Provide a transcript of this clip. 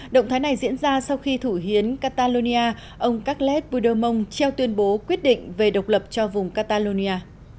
động thái này diễn ra sau khi thủ hiến catalonia ông carét pudermon treo tuyên bố quyết định về độc lập cho vùng catalonia